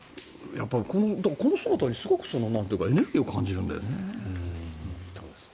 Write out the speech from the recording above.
だから、この姿にすごくエネルギーを感じるんだよね。